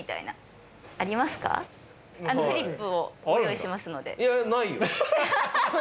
フリップをご用意しますので。